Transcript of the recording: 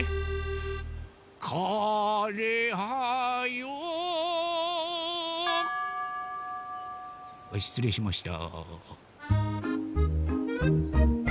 かれはよしつれいしました。